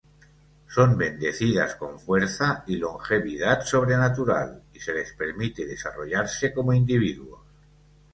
Son bendecidas con fuerza y longevidad sobrenatural y se les permite desarrollarse como individuos.